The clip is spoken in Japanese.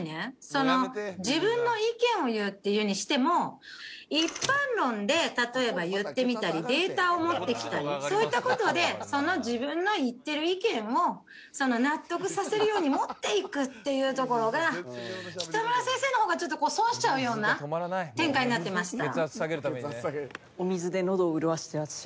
その自分の意見を言うにしても一般論で例えば言ってみたりデータを持ってきたりそういった事でその自分の言ってる意見を納得させるように持っていくっていうところが北村先生の方がちょっと損しちゃうような展開になってました。